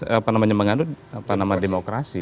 apa namanya mengandung apa nama demokrasi